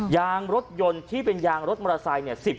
ยางรถยนต์ที่เป็นยางรถมอเตอร์ไซค์เนี่ย